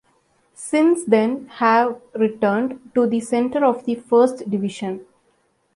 Since then have returned to the center of the first division.